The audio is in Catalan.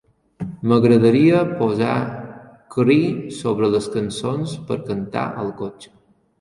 M'agradaria posar qriii sobre les cançons per cantar al cotxe.